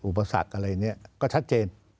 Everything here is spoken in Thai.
อุปสรรคอะไรเนี่ยก็ชัดเจน